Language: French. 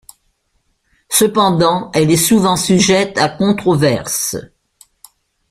Cependant, elle est souvent sujette à controverses.